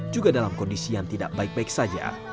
juga dalam kondisi yang tidak baik baik saja